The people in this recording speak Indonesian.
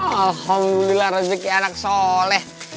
alhamdulillah rezeki anak soleh